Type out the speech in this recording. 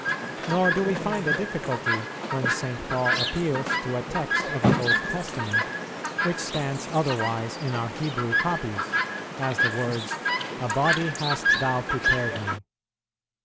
Nor do we find a difficulty, when St. Paul appeals to a text of the Old Testament, which stands otherwise in our Hebrew copies; as the words, "A body hast Thou prepared Me."